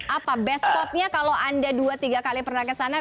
apa best spotnya kalau anda dua tiga kali pernah kesana